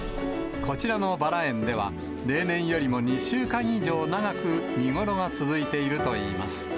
こちらのバラ園では、例年よりも２週間以上長く見頃が続いているといいます。